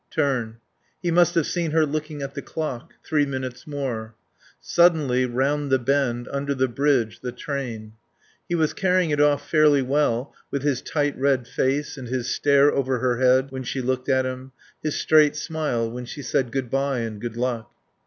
Turn. He must have seen her looking at the clock. Three minutes more. Suddenly, round the bend, under the bridge, the train. He was carrying it off fairly well, with his tight red face and his stare over her head when she looked at him, his straight smile when she said "Good bye and Good luck!"